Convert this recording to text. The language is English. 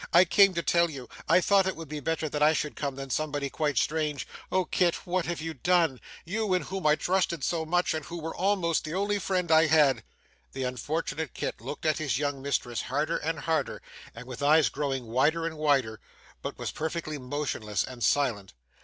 I came to tell you. I thought it would be better that I should come than somebody quite strange. Oh, Kit, what have you done? You, in whom I trusted so much, and who were almost the only friend I had!' The unfortunate Kit looked at his young mistress harder and harder, and with eyes growing wider and wider, but was perfectly motionless and silent.